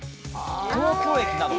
東京駅など。